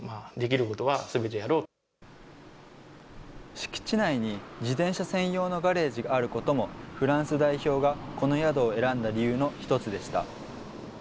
敷地内に、自転車専用のガレージがあることも、フランス代表がこの宿を選んだ理由の一つでした。